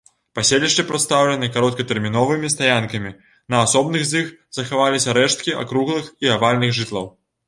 Паселішчы прадстаўлены кароткатэрміновымі стаянкамі, на асобных з іх захаваліся рэшткі акруглых і авальных жытлаў.